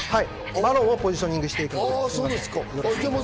マロンをポジショニングしていきます。